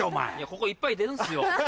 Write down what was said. ここいっぱい出るんすよ。